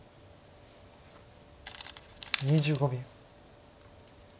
２５秒。